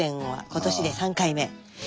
今年で３回目。